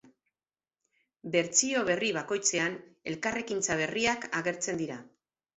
Bertsio berri bakoitzean elkarrekintza berriak agertzen dira.